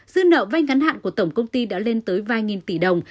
dư nợ vay ngắn hạn của tổng công ty đã lên tới vài nghìn tỷ đồng